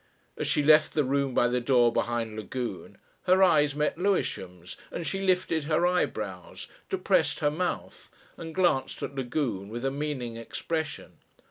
As she left the room by the door behind Lagune her eyes met Lewisham's, and she lifted her eyebrows, depressed her mouth, and glanced at Lagune with a meaning expression.